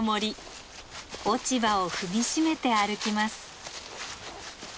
落ち葉を踏み締めて歩きます。